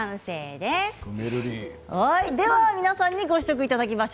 では皆さんにご試食いただきます。